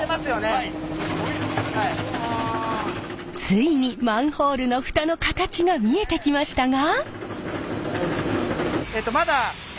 ついにマンホールの蓋の形が見えてきましたが。